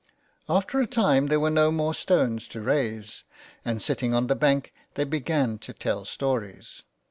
After a time there were no more stones to raise, and sitting on the bank they began to tell stories.